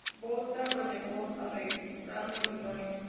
Botha lo negó, agregando "¿Limones?